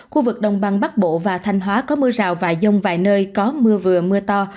khu vực đồng bằng bắc bộ và thanh hóa có mưa rào vài dông vài nơi có mưa vừa mưa to